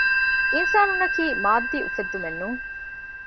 އިންސާނުންނަކީ މާއްދީ އުފެއްދުމެއްނޫން